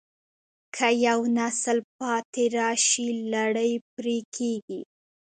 که یو نسل پاتې راشي، لړۍ پرې کېږي.